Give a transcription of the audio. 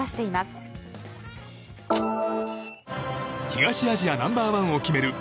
東アジアナンバー１を決める